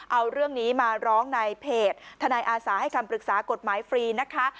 เอาเรื่องนี้มาร้องในเพจทนายอาสาให้คำปรึกษากฎหมายฟรีนะคะ